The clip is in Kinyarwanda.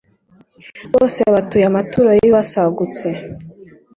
bose batuye amaturo y’ibibasagutse